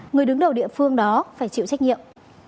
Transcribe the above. người đứng đầu địa phương đó phải chịu trách nhiệm